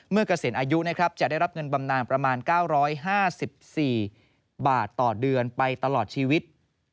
เกษียณอายุนะครับจะได้รับเงินบำนานประมาณ๙๕๔บาทต่อเดือนไปตลอดชีวิต